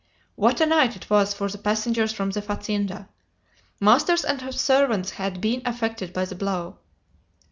What a night it was for the passengers from the fazenda! Masters and servants had been affected by the blow!